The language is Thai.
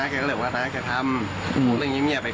ก็พี่ยายแกพูดนะครับ